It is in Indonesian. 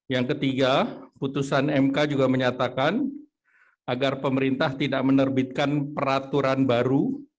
yang ketiga putusan mk juga menyatakan agar pemerintah tidak menerbitkan peraturan baru